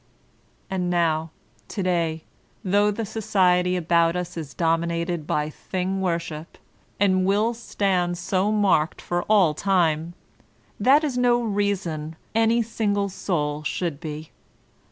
And now, to day, though the Society about us is dominated by Thing Worship, and will stand so marked for all time, that is no reason any single soul should be.